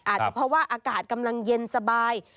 อาจจะเพราะว่าอากาศกำลังเย็นสบาย